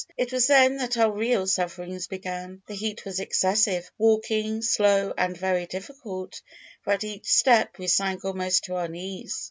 It was then that our real sufferings began. The heat was excessive; walking, slow and very difficult, for at each step we sank almost to our knees.